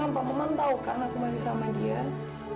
pak maman juga melihat